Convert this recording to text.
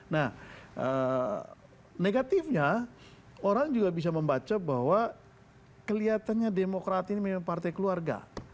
nah negatifnya orang juga bisa membaca bahwa kelihatannya demokrat ini memang partai keluarga